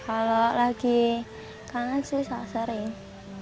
kalau lagi kangen sih sangat sering